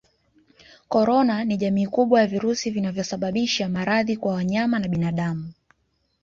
ïCorona ni jamii kubwa ya virusi vinavyosababisha maradhi kwa wanyama na binadamu